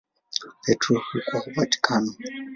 Petro huko Vatikano.